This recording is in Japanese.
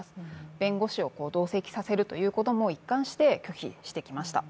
弁護士を同席させるということも一貫して拒否してきました。